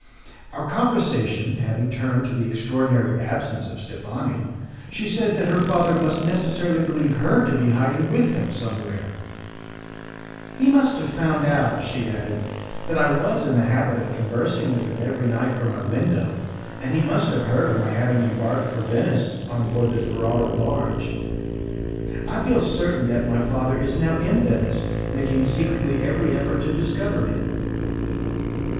Our conversation having turned to the extraordinary absence of Steffani, she said that her father must necessarily believe her to be hiding with him somewhere. "He must have found out," she added, "that I was in the habit of conversing with him every night from my window, and he must have heard of my having embarked for Venice on board the Ferrara barge. I feel certain that my father is now in Venice, making secretly every effort to discover me.